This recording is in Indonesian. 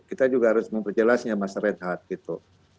kita juga harus memperjelasnya mas reinhardt gitu